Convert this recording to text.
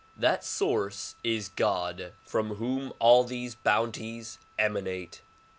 That source is God from whom all these bounties emanate.